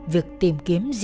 việc tìm kiếm gì